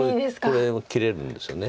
これ切れるんですよね。